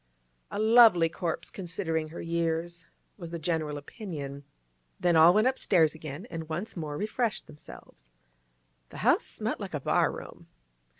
'A lovely corpse, considerin' her years,' was the general opinion. Then all went upstairs again, and once more refreshed themselves. The house smelt like a bar room.